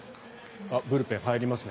ブルペン入りますね。